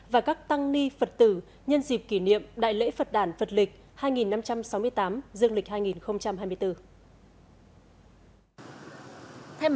và các tăng ni phật tử nhân dịp kỷ niệm đại lễ phật đàn phật lịch hai năm trăm sáu mươi tám dương lịch hai nghìn hai mươi bốn